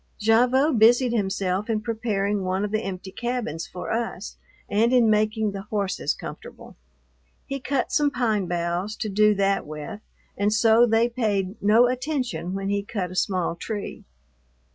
Gavotte busied himself in preparing one of the empty cabins for us and in making the horses comfortable. He cut some pine boughs to do that with, and so they paid no attention when he cut a small tree.